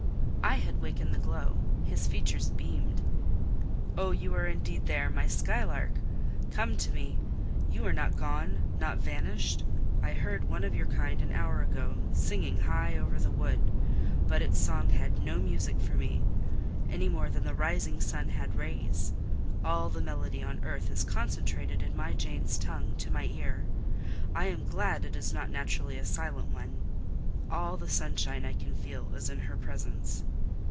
I had wakened the glow: his features beamed. "Oh, you are indeed there, my skylark! Come to me. You are not gone: not vanished? I heard one of your kind an hour ago, singing high over the wood: but its song had no music for me, any more than the rising sun had rays. All the melody on earth is concentrated in my Jane's tongue to my ear (I am glad it is not naturally a silent one): all the sunshine I can feel is in her presence."